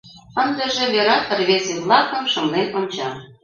Ындыже Верат рвезе-влакым шымлен онча.